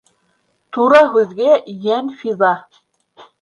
Тура һүҙгә йән фиҙа.